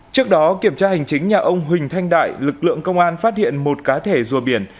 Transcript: trước đó kiểm tra hành chính nhà ông huỳnh thanh đại lực lượng công an phát hiện một cá thể rùa biển